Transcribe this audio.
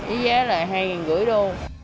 ý giá là hai năm trăm linh đô